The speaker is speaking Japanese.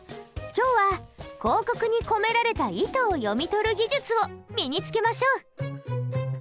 今日は広告に込められた意図を読み取る技術を身につけましょう！